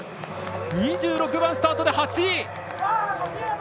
２６番スタートで８位！